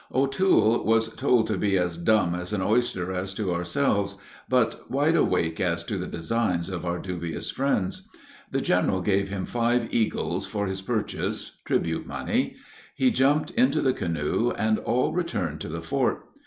O'Toole was told to be as dumb as an oyster as to ourselves, but wide awake as to the designs of our dubious friends. The general gave him five eagles for his purchase, tribute money. He jumped into the canoe, and all returned to the fort.